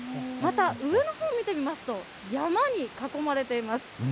また、上のほう見てみますと、山に囲まれています。